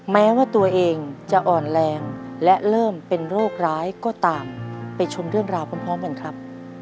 แม้ว่าตัวเองจะอ่อนแรงและเริ่มเป็นโรคร้ายก็ตามไปชมเรื่องราวพร้อมกันครับ